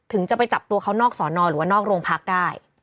จะไปจับตัวเขานอกสอนอหรือว่านอกโรงพักได้